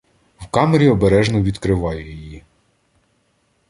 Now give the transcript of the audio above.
В камері обережно відкриваю її.